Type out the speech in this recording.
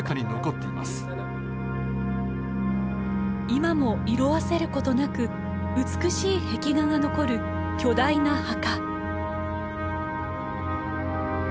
今も色あせることなく美しい壁画が残る巨大な墓。